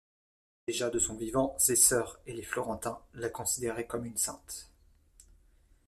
Déjà de son vivant, ses sœurs et les Florentins la considéraient comme une sainte.